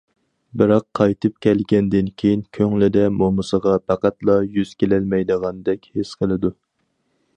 بىراق قايتىپ كەلگەندىن كېيىن كۆڭلىدە مومىسىغا پەقەتلا يۈز كېلەلمەيدىغاندەك ھېس قىلىدۇ.